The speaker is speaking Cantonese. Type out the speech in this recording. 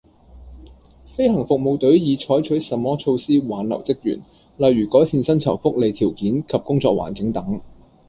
飛行服務隊已採取甚麼措施挽留職員，例如改善薪酬福利條件及工作環境等